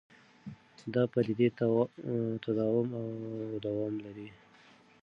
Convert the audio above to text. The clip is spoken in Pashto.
دا پدیدې تداوم او دوام لري.